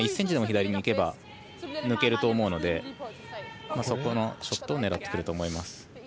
１ｃｍでも左にいけば抜けると思うのでそこのショットを狙ってくると思います。